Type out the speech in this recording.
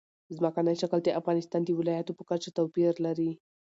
ځمکنی شکل د افغانستان د ولایاتو په کچه توپیر لري.